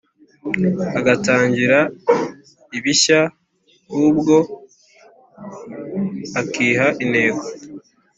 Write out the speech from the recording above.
ugatangira ibishyaahubwo ukiha intego